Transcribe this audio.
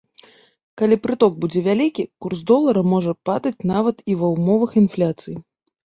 Калі прыток будзе вялікі, курс долара можа падаць нават і ва ўмовах інфляцыі.